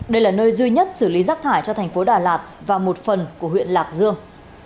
đây là nơi duy nhất xử lý rác thải cho thành phố đà lạt và một phần của huyện lạc dương